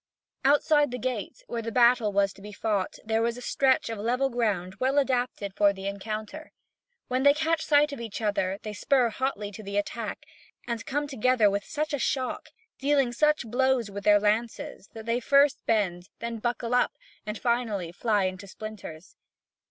(Vv. 2691 2792.) Outside the gate, where the battle was to be fought, there was a stretch of level ground well adapted for the encounter. When they catch sight of each other, they spur hotly to the attack and come together with such a shock, dealing such blows with their lances, that they first bend, then buckle up, and finally fly into splinters.